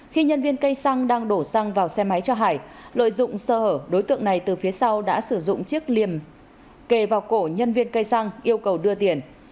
khi nhân viên cây xăng đang đổ xăng vào xe máy cho hải lợi dụng sơ hở đối tượng này từ phía sau đã sử dụng chiếc liềm kề vào cổ nhân viên cây xăng yêu cầu đưa tiền